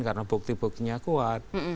karena bukti buktinya kuat